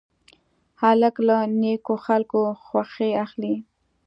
هلک له نیکو خلکو خوښي اخلي.